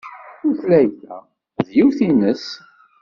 Tutlayt-a d yiwet-nnes.